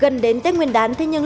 gần đến tết nguyên đán thế nhưng